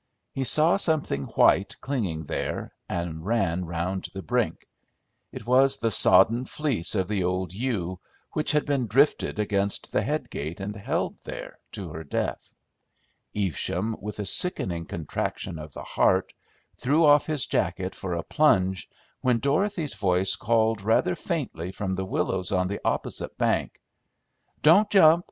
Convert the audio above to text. He saw something white clinging there, and ran round the brink. It was the sodden fleece of the old ewe, which had been drifted against the head gate and held there to her death. Evesham, with a sickening contraction of the heart, threw off his jacket for a plunge, when Dorothy's voice called rather faintly from the willows on the opposite bank. "Don't jump!